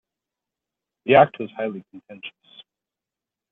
The Act was highly contentious.